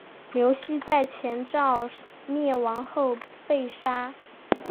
刘熙在前赵灭亡后被杀。